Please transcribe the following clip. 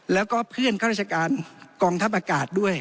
แล้วก็เพื่อนข้าราชการกองทัพอากาศด้วย